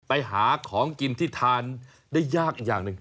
ไปหาของกินที่ทานได้ยากอีกอย่างหนึ่ง